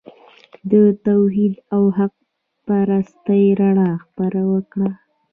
د توحید او حق پرستۍ رڼا خپره کړه.